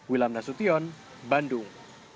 wilam nasution bandung